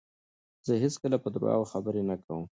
زه هیڅکله په درواغو خبرې نه کوم.